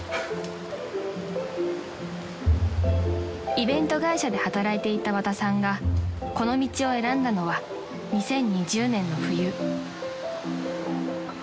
［イベント会社で働いていた和田さんがこの道を選んだのは２０２０年の冬］